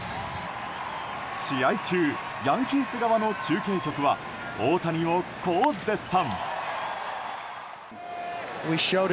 試合中、ヤンキース側の中継局は大谷をこう絶賛。